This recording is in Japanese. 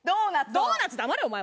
ドーナツ黙れお前。